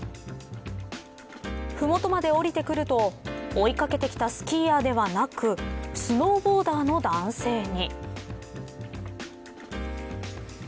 麓まで降りてくると追い掛けてきたスキーヤーではなくスノーボーダーの男性に。